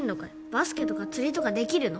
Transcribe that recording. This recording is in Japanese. バスケとか釣りとかできるの？